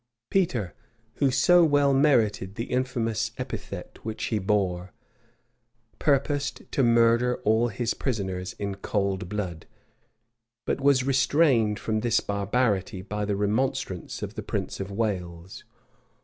Peter, who so well merited the infamous epithet which he bore, purposed to murder all his prisoners in cold blood; but was restrained from this barbarity by the remonstrance, of the prince of Wales.